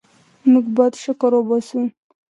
موږ باید شکر وباسو.